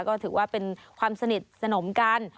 ก็ถือว่าเป็นความสนิทสนมกัน